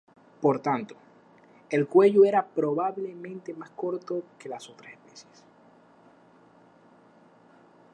Por tanto, el cuello era probablemente más corto que el las otras especies.